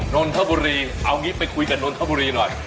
นนทบุรีเอางี้ไปคุยกับนนทบุรีหน่อย